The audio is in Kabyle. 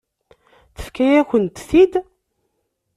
Tefka-yakent-t-id.